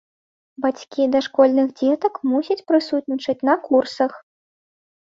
Бацькі дашкольных дзетак мусяць прысутнічаць на курсах.